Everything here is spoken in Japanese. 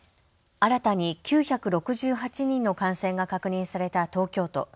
新たに９６８人の感染が確認された東京都。